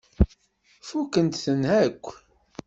Fukkent-ten akk.